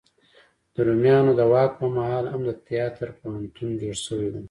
د روميانو د واک په مهال هم د تیاتر پوهنتون جوړ شوی و.